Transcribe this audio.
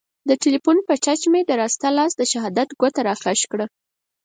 د تیلیفون په ټچ مې د راسته لاس د شهادت ګوته را کش کړه.